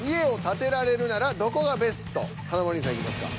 華丸兄さんいきますか。